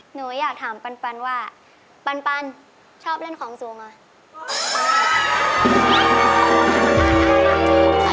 หนูอยากถามปันว่าปันชอบเล่นของสูงอ่ะ